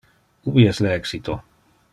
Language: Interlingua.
Ubi es le exito?